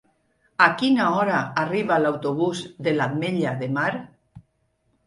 A quina hora arriba l'autobús de l'Ametlla de Mar?